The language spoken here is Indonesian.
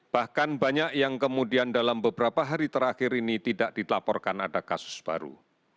bahkan banyak yang kemudian dalam beberapa hari terakhir ini tidak dilaporkan ada kasus baru